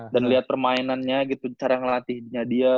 dan liat permainannya gitu cara ngelatihnya dia